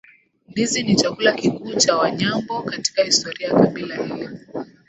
Ndizi ni Chakula kikuu cha Wanyambo katika Historia ya kabila hili